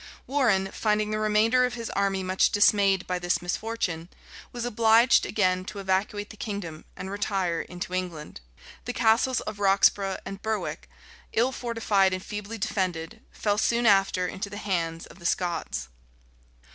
[] Warrenne, finding the remainder of his army much dismayed by this misfortune, was obliged again to evacuate the kingdom, and retire into England. The Castles of Roxburgh and Berwick, ill fortified and feebly defended, fell soon after into the hands of the Scots.